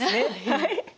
はい。